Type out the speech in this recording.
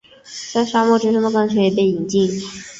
在沙漠之中的甘泉也被饮尽